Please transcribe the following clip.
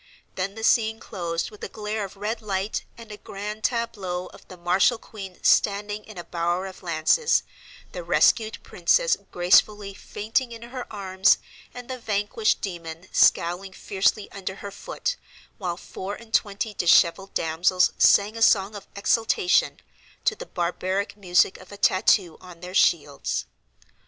Then the scene closed with a glare of red light and a "grand tableau" of the martial queen standing in a bower of lances, the rescued princess gracefully fainting in her arms, and the vanquished demon scowling fiercely under her foot, while four and twenty dishevelled damsels sang a song of exultation, to the barbaric music of a tattoo on their shields.